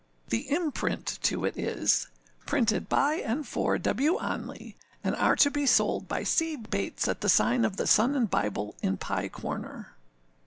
â The imprint to it is, âPrinted by and for W. Onley; and are to be sold by C. Bates, at the sign of the Sun and Bible, in Pye Corner.